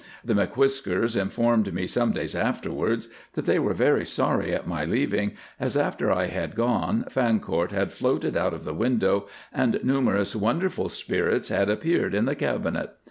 The M'Whiskers informed me some days afterwards that they were very sorry at my leaving, as, after I had gone, Fancourt had floated out of the window, and numerous wonderful spirits had appeared in the cabinet.